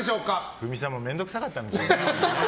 冬美さんも面倒くさかったんでしょうね。